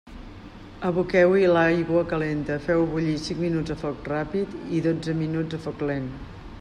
Aboqueu-hi l'aigua calenta, feu-ho bullir cinc minuts a foc ràpid i dotze minuts a foc lent.